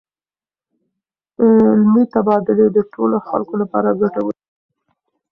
علمي تبادلې د ټولو خلکو لپاره ګټورې دي.